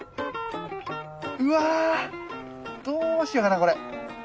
うわどうしようかなこれ。